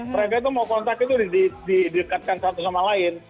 mereka itu mau kontak itu didekatkan satu sama lain